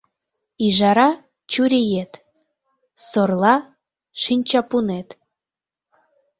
Ӱжара — чуриет, сорла — шинчапунет.